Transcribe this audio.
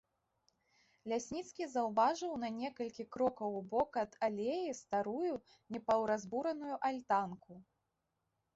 Лясніцкі заўважыў на некалькі крокаў у бок ад алеі старую напаўразбураную альтанку.